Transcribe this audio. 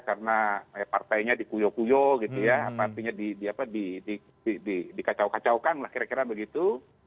karena partainya di kuyo kuyo atau di kacau kacaukan kira kira gitu